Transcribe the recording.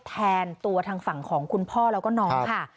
แทนตัวทางฝั่งของคุณพ่อแล้วก็น้องค่ะ